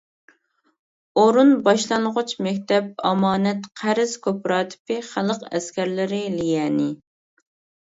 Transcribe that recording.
ئورۇن باشلانغۇچ مەكتەپ، ئامانەت-قەرز كوپىراتىپى، خەلق ئەسكەرلىرى ليەنى.